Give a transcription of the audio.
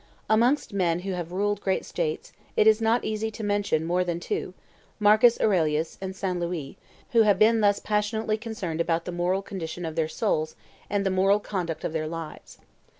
Amongst men who have ruled great states, it is not easy to mention more than two, Marcus Aurelius and Saint Louis, who have been thus passionately concerned about the moral condition of their souls and the moral conduct of their lives.